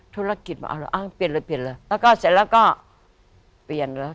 ธุรกิจมาเอาแล้วอ้าวเปลี่ยนเลยเปลี่ยนเลยแล้วก็เสร็จแล้วก็เปลี่ยนเลย